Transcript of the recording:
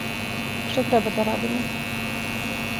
Шта треба да радимо?